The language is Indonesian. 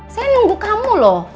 saya nunggu kamu loh